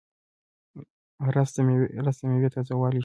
رس د میوې تازهوالی ښيي